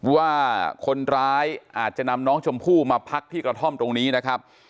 ว่าคนร้ายอาจจะนำน้องชมพู่มาพักที่กระท่อมตรงนี้นะครับ